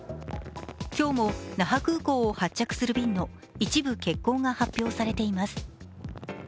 今日も那覇空港を発着する便の一部欠航が発表されています。